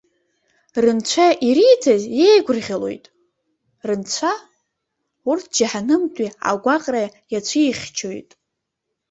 Рынцәа ириҭаз иеигәырӷьалоит, Рынцәа, урҭ џьаҳанымтәи агәаҟра иацәихьчоит.